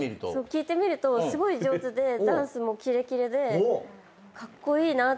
聞いてみるとすごい上手でダンスもキレキレでカッコイイなって。